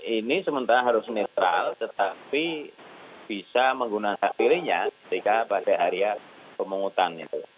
ini sementara harus netral tetapi bisa menggunakan hak pilihnya ketika pada hari pemungutan